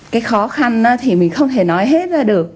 cái khó khăn thì mình không thể nói hết ra được